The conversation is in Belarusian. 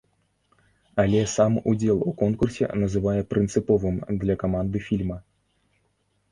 Але сам удзел у конкурсе называе прынцыповым для каманды фільма.